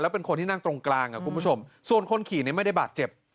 เป็นคนที่นั่งตรงกลางคุณผู้ชมส่วนคนขี่เนี่ยไม่ได้บาดเจ็บ